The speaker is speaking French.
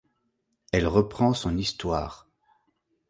Elle reprend son histoire.